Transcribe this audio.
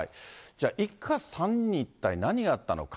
じゃあ、一家３人、一体何があったのか。